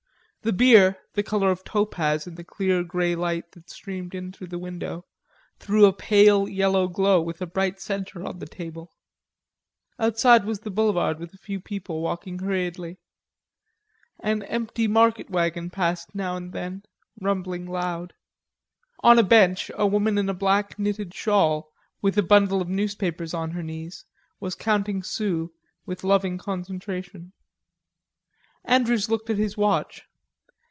The beer, the color of topaz in the clear grey light that streamed in through the window, threw a pale yellow glow with a bright center on the table. Outside was the boulevard with a few people walking hurriedly. An empty market wagon passed now and then, rumbling loud. On a bench a woman in a black knitted shawl, with a bundle of newspapers in her knees, was counting sous with loving concentration. Andrews looked at his watch.